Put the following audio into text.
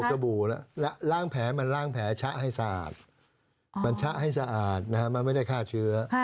สบู่ล้างแผลมันล้างแผลชะให้สะอาดมันชะให้สะอาดนะฮะมันไม่ได้ฆ่าเชื้อ